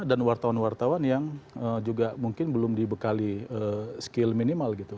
wartawan wartawan yang juga mungkin belum dibekali skill minimal gitu